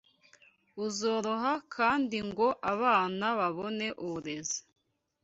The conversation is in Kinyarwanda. uzoroha kandi ngo abana babone uburezi